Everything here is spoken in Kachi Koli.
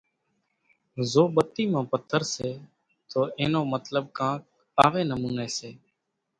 زو ٻتي مان پٿر سي تو اين نو مطلٻ ڪانڪ آوي نموني سي،